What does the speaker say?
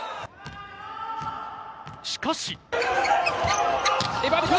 しかし。